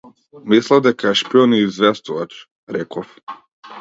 Мислат дека е шпион и известувач, реков.